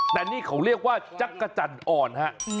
แต่นี่เขาเรียกว่าจักรจันทร์อ่อนฮะ